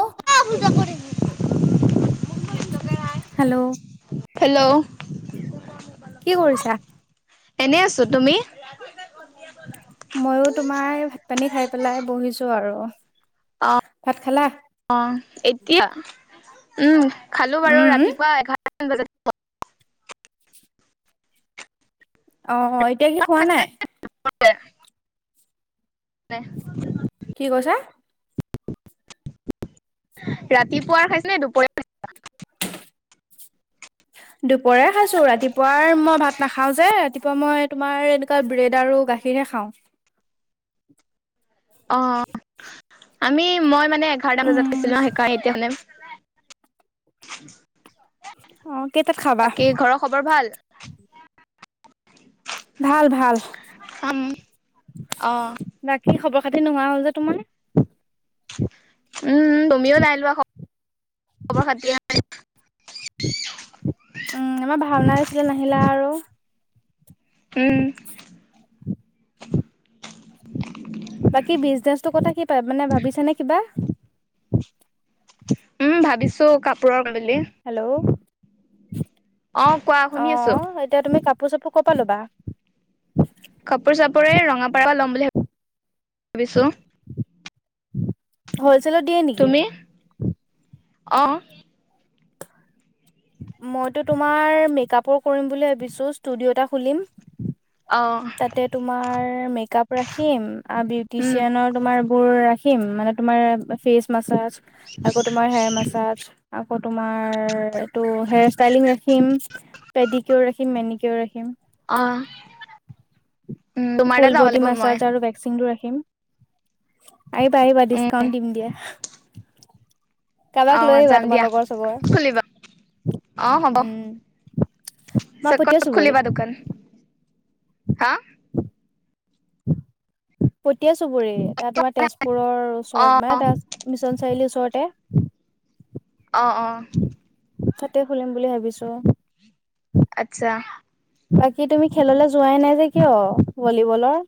অ', ক পূজা কৰি [unintelligible] হেল্ল' হেল্ল' কি কৰিছা এনে আছো তুমি ময়ো তোমাৰ ভাত পানী খাই পেলাই বহিছো আৰু ভাত খালা এতিয়া উম খালো বাৰু উম, ৰাতিপুৱা এঘাৰ ব [unintelligible] অ অ এতিয়া কি খোৱা নাই নাই কি কৈছা? ৰাতিপুৱাৰ খাইছিল নে দুপৰীয়া খাইছিল দুপৰিয়া খাইছো ৰাতিপুৱাৰ মই ভাত নাখাও যে ৰাতিপুৱা তাৰপ মই তোমাৰ এনেকুৱা ব্ৰেড আৰু গাখীৰহে খাওঁ অ আমি মই মানে এঘাৰটা বজাত উম, আছিলো ন শেইকাৰাই এতিয়াানে অ কেইটাত খাবা? বাকী ঘৰৰ খবৰ ভাল ভাল ভাল আম আহ কাটতি নোহোৱা হ'ল যে তোমাৰ উম তুমিও নাই লোৱা খ খবৰ খাতি উম আমাৰ ভাওনা আছিলে নাহিলা আৰু উম বাকী বিজনেচটো কথা কি প মানে ভাবিছে নে কিবা উম ভাবিছো কাপোৰৰ বুলি হেল্ল' অ কোৱা অ শুনি আছো এতিয়া তুমি কাপ কাপোৰ চাপোৰ কৰ পৰা লবা কাপোৰ চাপোৰে এই ৰঙাপাৰ পৰা ল'ম বুলি ভাব ভাবিছো হলচেলত দিয়ে নেকি তুমি অ মইতো তোমাৰ মেকআপৰ কৰিম বুলি ভাবিছোঁ ষ্টুডিঅ' এটা খুলিম অ তাতে তোমাৰ মেক আপ ৰাখিম আৰু উম বিউটিচিয়ানৰ তোমাৰ বোৰ ৰাখিম খিম মানে তোমাৰ ফেচ মাছাজ আকৌ তোমাৰ হেয়াৰ মাছাজ আকৌ তোমাৰ এইটো হেয়াৰ ষ্টাইলিং ৰাখিম পেডিক'ৰ ৰাখিম মেনিকিয়'ৰ ৰাখিম আহ ফুল বডি মাছাজ আৰু ভেকচিং ৰখিম আহিবা আহিবা উম ডিচকাউন্ট দিম দিয়া। কাৰোবাক আহ লৈ আহিবা যাম তোমাৰ দিয়া। লগৰ চগৰ খুলিবা অ', হ'ব। উম মই পিছে পতিয়া ক'ত চুবুৰীত খুলিবা দোকান? হা? পঠিয়াইছো। তোমাৰ তেজপুৰৰ অ ওচৰত [unintelligible] মিছন চাৰিআলিৰ ওচৰতে। অ', অ'। তাতে খুলিম বুলি ভাবিছো। আচ্ছা। বাকী তুমি খেললৈ যোৱাই নাই যে কিয় ভলী বলৰ?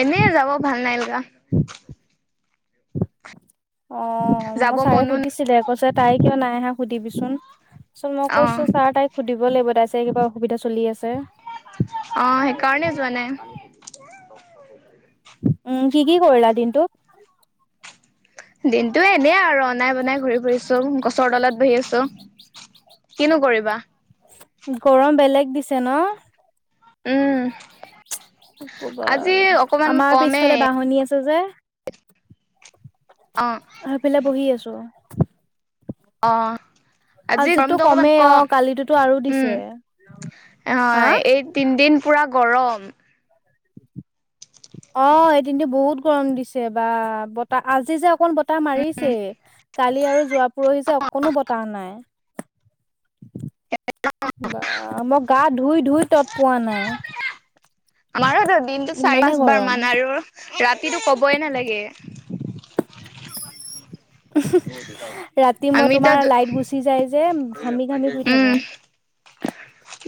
এনেই যাব ভাল নাই লাগা। [inaudible] অ', যাব মই ছাৰে মনো নাই। সুধিছিলে কৈছে তাই কিয় নাই আহা সুধিবিচোন! তাৰ পিছত মই অ কৈছো ছাৰ তাইক সুধিব লাগিব তাই চাই কিবা অসুবিধা চলি আছে। অ', সেইকাৰণে যোৱা নাই। উম, কি কি কৰিলা দিনতো? দিনটো এনে আৰু অনাই বনাই ঘূৰি ফুৰিছো। গছৰ তলত বহি আছো। কিনো কৰিবা। গৰম বেলেগ দিছে ন? উম। কি কবা আজি আৰু অকমান আমাৰ কমেই পিছফালে বাঁহনি আছে যে। অ আহি পেলে বহি আছো। অ', আজি আজিতো গৰমটো অকমান কমেই অ কম, কালিতোতো আৰু দিছে উম। হা অ', এই তিনদিন পুৰা গৰম। অ', এদিনতটো বহুত গৰম দিছে বা বতাহ আজি যে অকন ব বতাহ মাৰিছেই। কালি আৰু যোৱা পৰহিজে অকণো বতাহ নাই। বা মই গা ধুই ধুই তত পোৱা নাই। আমাৰতো দিনটো চাৰি ইমানে পাঁচবাৰ গৰম মান আৰু ৰাতিটো ক'বই নালাগে। [inaudible] ৰাতি মই আমিতো তোমাৰ লাইট গুচি যাই যে ঘামি ঘামি শুই উম থাকো। [inaudible]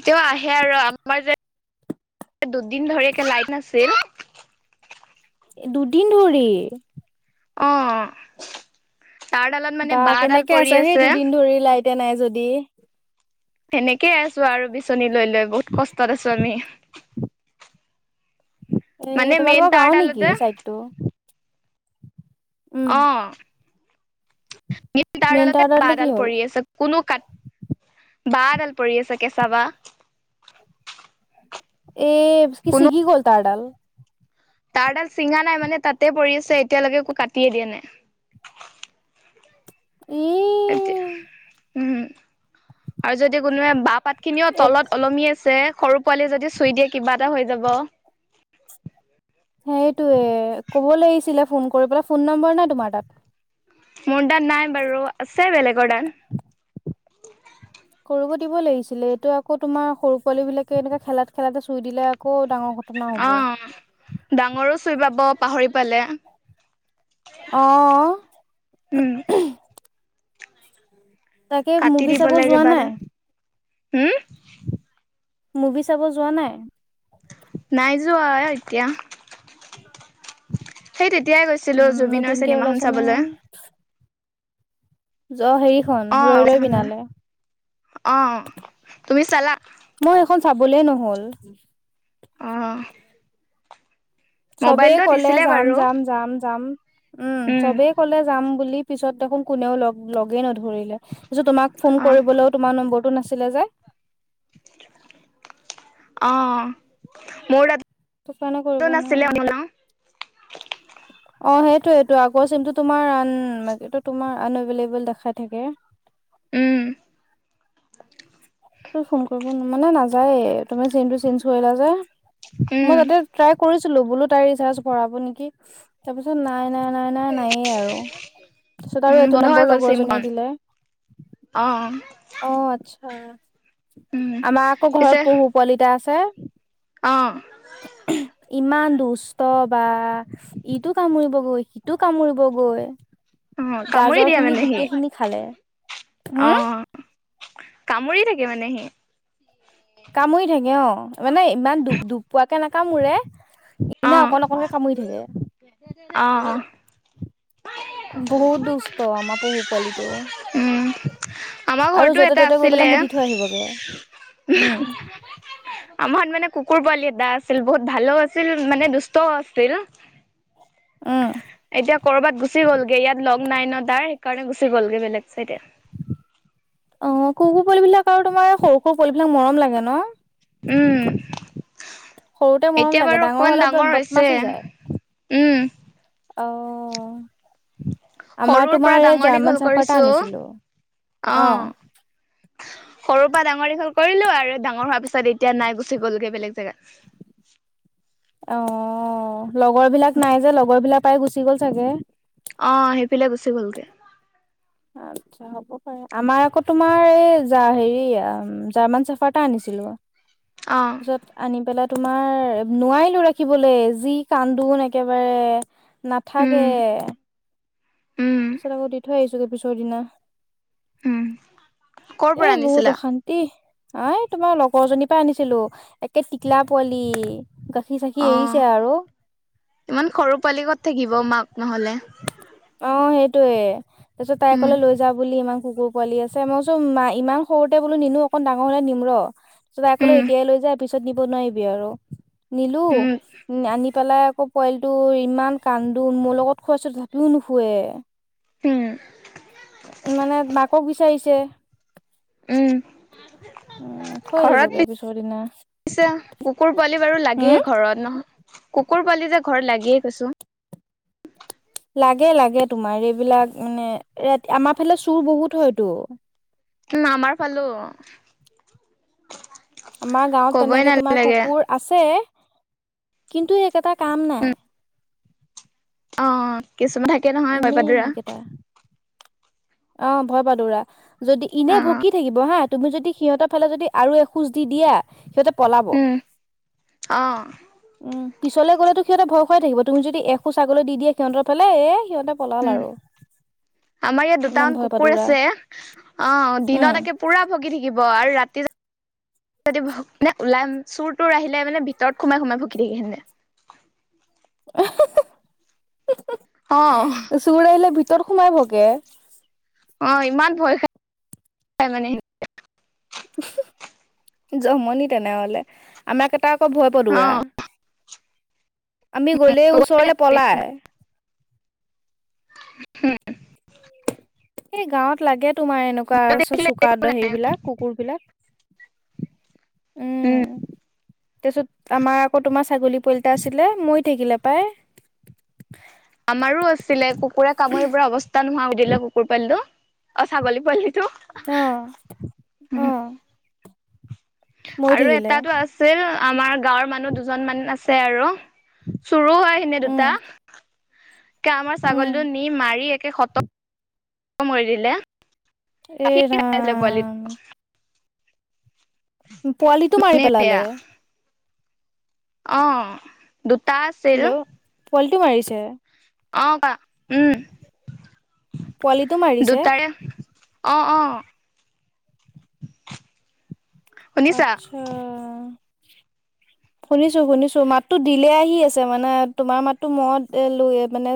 [unintelligible] আহে আৰু আমাৰ যে দুদিন ধৰি একে লাইট নাছিল। দুদিন ধৰি? অ'। তাৰডালত মানে বা বাঁহডাল কেনেকে পৰি আছে সেই দুদিন ধৰি লাইট নাই যদি। সেনেকে আছো আৰু বিচনী লৈ লৈ বহুত কষ্টত আছো আমি। মানে এ মেইন তোমালোকৰ গাৱঁৰ নেকি তাৰডালতে চাইডটো? উম অ'। মেইন তাঁৰডালতে তাঁৰডাললে কি বাঁহডাল হ'ল পৰি আছে। কোনো কাটি বাঁহ এডাল পৰি আছে কেঁচা বাহঁ। এই কি চিগি ক'ল তাৰঁডাল? তাৰডাল চিঙা নাই মানে তাতে পৰি আছে। এতিয়ালৈকে একো কাটিয়ে দিয়ে নাই। এতিয়া উম আৰু যদি কোনোবায়ে বাহঁ পাত খিনিও ই তলত ওলমি আছে। সৰু পোৱালি যদি চুই দিয়ে কিবা এটা হৈ যাব। সেইটোৱে ক'ব লাগিছিলে ফোন কৰি পেলায়। ফোন নম্বৰ নাই তোমাৰ তাত? মোৰ তাত নাই বাৰু আছে বেলেগৰ তাত। কৰিব দিব লাগিছিলে। এইটো আকৌ তোমাৰ সৰু পোৱালী বিলাকে এনেকুৱা খেলাত খেলাতে চুই দিলে আকৌ ডাঙৰ ঘটনা হ'ব অ', ডাঙৰো চুই পাব পাহৰি পালে। আহ। উম, তাকে মুভি চাব যোৱা নাই? হুম? মুভি চাব যোৱা নাই? নাইযোৱা অ, এতিয়া। সেই তেতিয়াই গৈছিলোঁ উম জুবিনৰ নতুনকে চিনেমাখন ওলাইছে চাবলৈ। নহয় অ', হেৰিখন ৰৈ ৰৈ অ', বিনালে, অ'। তুমি চালা মই খন চাবলে নহ'ল। অ', চবেই মোবাইলটো ক'লে দিছিলে যাম বাৰু - যাম - যাম - যাম, উম, চবেই কলে যাম বুলি পিছত দেখোন কোনেও ল লগে নধৰিলেি, পিছত তোমাক ফোন অ', কৰিবলৈ তোমাৰ নম্বৰটো নাছিল নাছিলে যে। অ', মোৰ তাত ত' কাৰণে কৰিব নোৱাৰিলোঁ। অ', সেইটোৱেতো আগৰ চিমটো তোমাৰ আন এইটো তোমাৰ আনএভেইলেবল দেখাই থাকে। উম, ত' ফোন কৰিব মানে নাযায় তুমি চিমটো চেঞজ কৰিলা যে মই উম। তাতে ট্ৰাই কৰিছিলোঁ বোলো তাই ৰিচাৰ্জ ভৰাব নেকি, তাৰ পিছত নাই- নাই -নাই -নাই, নায়েই আৰু। তাৰ পিছত আৰু উম এইটো বন্ধ হৈ নম্বৰ গ'ল লগৰ চিমখন এজনীয়ে দিলে। অ অ', আচ্ছা উম আমাৰ আকৌ ঘৰত পিছে পহু পোৱালী এটা আছে। অ', ইমান দুষ্ট বা ইটো কামুৰিবগৈ সিটো কামুৰিবগৈ। অ কামুৰি গাজৰ দিয়ে খিনি মানে সি গোটেইখিনি খালে, অ হুম, কামুৰি থাকে মানে সি। কামুৰি থাকে অ', মানে ইমান দু দুক পোৱাকে নাকামোৰে। অ এনে অকন অ অকনকে কামুৰি থাকে। অ বহুত দুস্থ আমাৰ পহু পোৱালীটো। উম আমাৰ ঘৰটো এটা আছিলে পেলাই মুতি থৈ আহিবগে উম আমাৰ মানে কুকুৰ পোৱালী এটা আছিল বহুত ভালো আছিল মানে দুষ্টও আছিল। উম এতিয়া কৰবাত গুচি গ'লগে ইয়াত লগ নাই ন' তাৰ সেইকাৰণে গুচি গ'লগে বেলেগ চাইডে। অ', কুকুৰ পোৱলিবিলাক আৰু তোমাৰ সৰু সৰু পোৱালিবিলাক মৰম লাগে ন? উম, সৰুতে মৰম এতিয়া লাগে বাৰু অকনমান হলে ডাঙৰ হৈছে, বদমাছ হৈ যায় উম, অ', আমাৰ সৰুৰ পৰা তোমাৰ এই ডাঙৰ দীঘল জাৰ্মান শ্বেফাৰ্ড এটা কৰিছো আনিছিলোঁ অ', সৰু পৰা ডাঙৰ দীঘল কৰিলো আৰু ডাঙৰ হোৱাৰ পিছত এতিয়া নাই গুচি গ'লগৈ বেলেগ জেগাত। অ', লগৰ বিলাক নাই যে লগৰ বিলাক পাই গুচি গ'ল চাগে। অ', সেইফালে গুচি গলগে। আচ্ছা হ'ব পাৰে আমাৰ আকৌ তোমাৰ এই হেৰি জাৰ্মান শ্বেফাৰ্ড এটা আনিছিলোঁ। অ' পিছত আনি পেলাই তোমাৰ নোৱাৰিলোঁ ৰাখিবলে যি কান্দোন একেবাৰে। নাথাকে উম, উম, তাৰপিত আকৌ দি থৈ আহিছোগে পিছৰ দিনা। উম। ক'ৰ পৰা এ বহুত আনিছিলা? অশান্তি। অ', এই তোমাৰ লগৰ জনীৰ পৰা আনিছিলোঁ একে টিকলা পোৱালি। গাখীৰ চাখি এৰিছে অ', আৰু ইমান সৰু পোৱালি কত থাকিব মাক নহলে। অ', সেইটোয়ে তাৰপিছত তাই উম, কলে লৈ যা বুলি ইমান কুকুৰ পোৱালি আছে মই চো মা ইমান সৰুতে বোলো নিনো অকণ ডাঙৰ হলে নিম ৰ। তাই কলে উম, এতিয়াই লৈ যা পিছত নিব নোৱাৰিবি আৰু। নিলো উম, উম, আনি পেলাই আকৌ পোৱালিটো ইমান কান্দোন মোৰ লগত খৰচত ধাপিও নুশুৱে। উম, ক'ব বিচাৰিছে? উম উম থৈ ঘৰত আহিলোগে পি পিছৰ দিনা পিচে কুকুৰ পোৱালি বাৰু হম লাগেই ঘৰত নহয় কুকুৰ পোৱালি যে ঘৰত লাগেই কৈছোঁ। লাগে, লাগে তোমাৰ এইবিলাক মানে ৰাতি আমাৰ ফালে চুৰ বহুত হয়তো। উম, আমাৰ ফালেও। আমাৰ গাঁৱত তেনেকে তোমাৰ কুকুৰ আছে, কিন্তু ত এটা কাম নাই। অ', কিছুমান থাকে নহয় ভয় এনেই পাদুৰা। সেইকেইটা অ', ভয় পাদুৰা, যদি ইনে অ' ভকি থাকিব হা তুমি যদি সিহঁতৰ ফালে যদি আৰু এখোজ দি দিয়া, সিহঁতে পলাব, উম, অ' উম। পিছলৈ গ'লেতো সিহঁতে ভয় খোৱাই থাকিব, তুমি যদি এখোজ আগলৈ দি দিয়া, সিহঁতৰ ফালে এ সিহঁতে পলাল উম। আৰু। আমাৰ ইয়াত ইমান দুটামান ভয় কুকুৰ পাদুৰা আছে, অ', উম দিনত একে পুৰা ভুকি থাকিব আৰু ৰাতি যদি নে ওলাই চুৰ তোৰ আহিলে মানে, ভিতৰত সোমাই, সোমাই ভুগি থাকে সিহঁতে। অ' [unintelligible] চুৰ আহিলে ভিতৰত সোমাই ভুকে? অ', ইমান ভয় খাই মানে সিহঁতে। জমনি তেনেহলে আমাক কেইটা আকৌ ভয় পদৌৰা। অ' আমি গ'লেই ওচৰলে পলাই। এই গাঁৱত লাগে, তোমাৰ এনেকুৱা চুকা দ হেৰিবিলাক কুকুৰ বিলাক। উম, তাৰপিছত আমাৰ আকৌ তোমাৰ ছাগলী পোৱালী এটা আছিলে, মৰি থাকিলে পাই। আমাৰো আছিলে, কুকুৰে কামুৰি পোৰা অৱস্থা নোহোৱা কৰি দিলে, কুকুৰ পোৱালিটো অ', ছাগলী পোৱালিটো। অ', অ'। মৰি আৰু থাকিলে এটাতটো আছিল, আমাৰ গাঁৱৰ মানুহ দুজন মান আছে আৰু। চুৰো আহিলে উম দুটা। একে আমাৰ উম ছাগলীটো নি মাৰি একে খতম কৰি দিলে। এ গাখীৰ খাই আছিলে ৰাম পোৱালিটোৱে। পোৱালিটো মাৰি ইমানেই বেয়া। পেলালে? অ', দুটা আছিল। কিয় মাৰিছে? অ', কোৱা উম, পোৱালীটো মাৰিছে? দুটাৰে অ', অ'। শুনিছা আৰ্টচা। শুনিছো, শুনিছো মাতো দিলে আহি আছে মানে, তোমাৰ মাতো মত এ লৈ মানে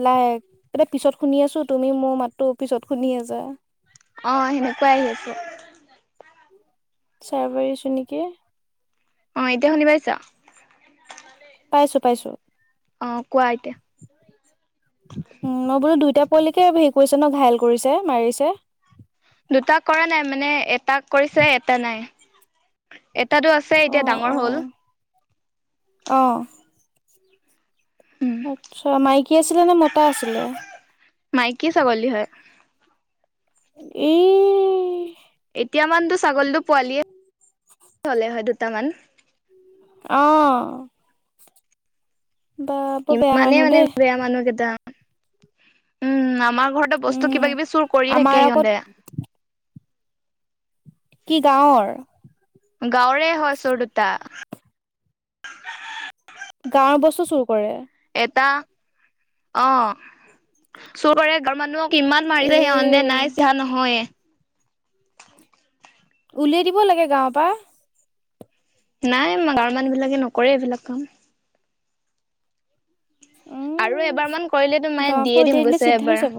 এলাহ এতিয়া পিছত শুনি আছো, তুমি মোৰ মাততো পিছত শুনি আছা। অ', সেনেকুৱাই আহিছে। চাৰ্ভাৰ ইছোঁ নেকি? অ', এতিয়া শুনি পাইছা? পাইছো, পাইছো। অ', কোৱা এতিয়া? উম, মই বোলো দুইটা পোৱালিকে হেৰি কৰিছে ন ঘাইেল কৰিছে মাৰিছে? দুটা কৰা নাই মানে, এটা কৰিছে এটা নাই। এটাতো আছে অ এতিয়া ডাঙৰ অ হ'ল। অ'। উম, আচ্ছা মাইকী আছিলে নে মতা আছিলে মাইকী ছাগলী হয় এই এতিয়ামানতো ছাগলীটো পোৱালিয়ে হলে হয় দুটামান অ বা বৰ বেয়া ইমানেই মানুহ মানে দেই বেয়া মানুহ কেইটা উম আমাৰ ঘৰতে বস্তু উম কিবা কিবি চুৰ কৰিয়ে আমাৰ থাকে আগত সিহঁতে কি গাঁৱৰ গাঁৱৰে হয় চোৰ দুটা গাঁৱৰ বস্তু চুৰ কৰে এটা অ চোৰ কৰে গাঁৱৰ মানুহক কিমান এ মাৰিলে সিহন্দে নাই সো নহয়ে উলিয়াই দিব লাগে গাঁৱৰ পৰা নাই গাঁৱৰ মানুহ বিলাকে নকৰে এইবিলাক কাম আৰু উম এবাৰ মান কৰিলে তো মানে গাঁৱৰ দিয়ে পৰা দিম উলিয়াই দিলে গৈছে চিধা হৈ এবাৰ যাব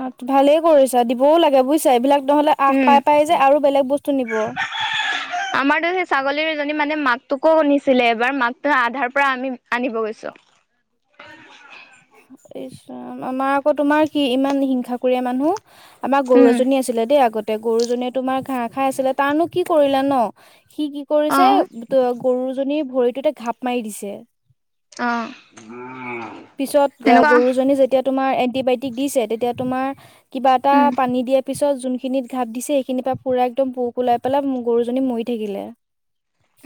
অ ভালে কৰিছা দিবও লাগে বুজিছা এইবিলাক নহলে আশ উম পাই পাই যে আৰু বেলেগ বস্তু নিব আমাৰতো সেই ছাগলীৰ এজনী মানে মাকটোকো শুনিছিলে এবাৰ মাকটো আধাৰ পৰা আমি আনিব গৈছো এই আমাৰ আকৌ তোমাৰ কি ইমান হিংসাকুৰিয়া মানুহ আমাৰ গৰু উম এজনী আছিলে দেই আগতে গৰুজনীয়ে তোমাৰ ঘাঁহ খাই আছিলে তাৰনো কি কৰিলা ন সি কি অ কৰিছে গৰুজনীৰ ভৰিতোতে ঘাপ মাৰি দিছে অ পিছত সেনেকুৱা গৰুজনী যেতিয়া তোমাৰ এন্টিবায়টিক দিছে, তেতিয়া তোমাৰ কিবা এটা উম পানী দিয়ে পিছত জোনখিনিত ঘাপ দিছে, সেইখিনিৰ পৰা পুৰা একদম পোক ওলাই পেলাই গৰুজনী মৰি থাকিলে।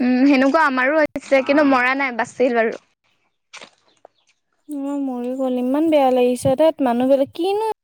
উম, সেনেকুৱা আমাৰো হৈছে, কিন্তু মৰা নাই বাচিল বাৰু। অ', মৰি গ'ল, ইমান বেয়া লাগিছে, ঠেত‌্ মানুহবিলাক কিনো